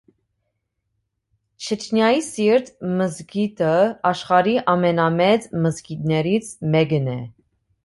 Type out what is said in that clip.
«Չեչնիայի սիրտ» մզկիթը աշխարհի ամենամեծ մզկիթներից մեկն է։